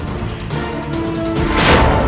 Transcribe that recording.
selamat tinggal puteraku